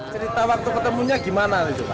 cerita waktu ketemunya gimana